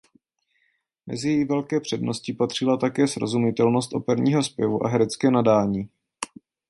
Mezi její velké přednosti patřila také srozumitelnost operního zpěvu a herecké nadání.